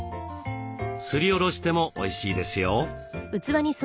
すりおろしてもおいしいですよ。